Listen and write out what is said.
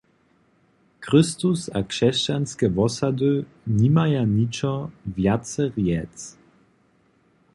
Chrystus a křesćanske wosady nimaja ničo wjace rjec.